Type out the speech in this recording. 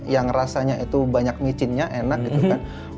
yang rasanya itu banyak micinnya enak gitu kan